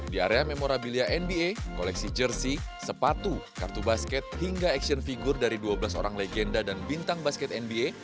di area memorabilia nba koleksi jersey sepatu kartu basket hingga action figure dari dua belas orang legenda dan bintang basket nba